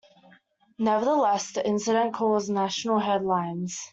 Nevertheless, the incident caused national headlines.